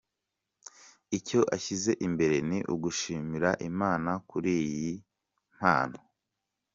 Icyo ashyize imbere ni ugushimira Imana kuri iyi mpano.